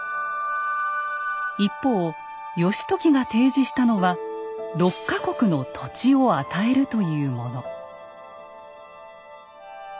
一方義時が提示したのは「六か国の土地を与える」というもの。